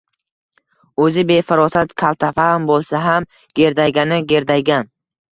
O’zi befarosat, kaltafahm bo’lsa ham gerdaygani gerdaygan.